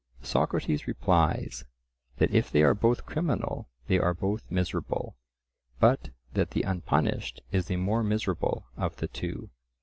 Socrates replies, that if they are both criminal they are both miserable, but that the unpunished is the more miserable of the two.